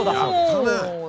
やったね！